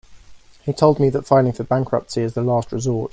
He told me that filing for bankruptcy is the last resort.